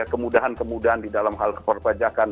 kemudahan kemudahan di dalam hal keperpajakan